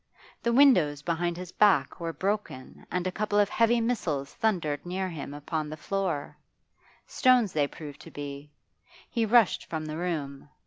The windows behind his back were broken and a couple of heavy missiles thundered near him upon the floor stones they proved to be. He rushed from the room.